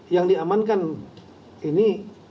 yang diamankan ini